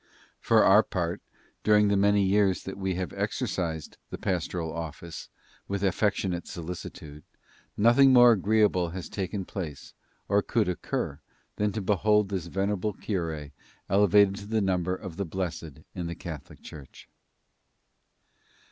For our part, during the many years that we have exercised the pastoral office with affectionate solicitude, nothing more agreeable has taken place, or could occur, than to behold this venerable cure elevated to the number of the blessed in the Catholic Church."